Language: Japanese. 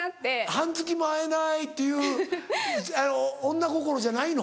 「半月も会えない」っていう女心じゃないの？